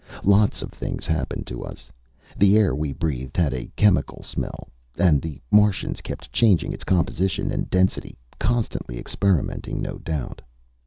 Lots of things happened to us. The air we breathed had a chemical smell. And the Martians kept changing its composition and density constantly experimenting, no doubt.